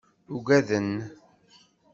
Ugaden.